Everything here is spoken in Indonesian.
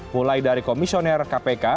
mulai dari komisioner kpk